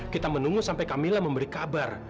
kita menunggu sampai camilla memberi kabar